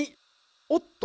おっと！